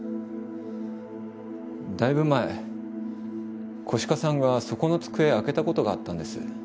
だいぶ前小鹿さんがそこの机開けたことがあったんです。